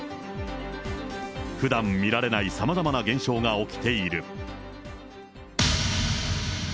ふだん見られないさまざまな現象が起きている。